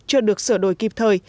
chưa được sửa đổi kịp thời